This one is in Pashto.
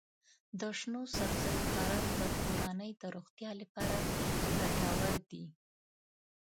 د شنو سبزیو کرل د کورنۍ د روغتیا لپاره ګټور دي.